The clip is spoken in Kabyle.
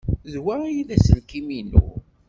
D wa ay d aselkim-inu.